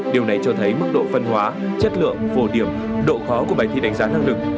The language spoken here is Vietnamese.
điều này cho thấy mức độ phân hóa chất lượng phổ điểm độ khó của bài thi đánh giá năng lực